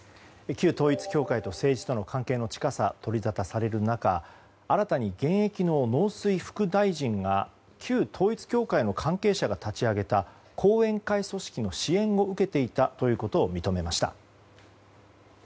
旧統一教会と政治との関係の近さが取りざたされる中新たに現役の農水副大臣が旧統一教会の関係者が立ち上げた後援会組織の支援を受けていたということを認めました。